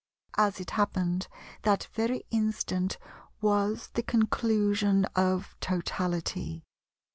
As it happened, that very instant was the conclusion of totality.